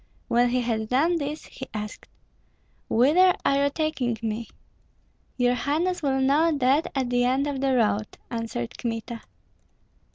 When he had done this he asked, "Whither are you taking me?" "Your highness will know that at the end of the road," answered Kmita.